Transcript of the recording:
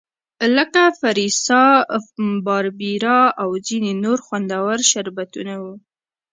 لکه فریسا، باربیرا او ځیني نور خوندور شربتونه وو.